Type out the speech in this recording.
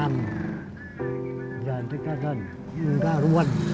jangan dikatakan enggak ruan